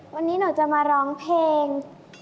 วันนี้หนูจะมาร้องเพลง